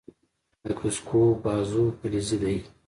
مایکروسکوپ بازو فلزي دی.